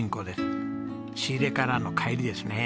仕入れからの帰りですね。